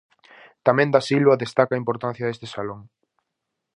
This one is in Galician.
Tamén Dasilva destaca a importancia deste salón.